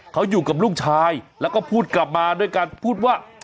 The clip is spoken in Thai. เขาอยู่กับลูกชายแล้วก็พูดกลับมาด้วยการพูดว่า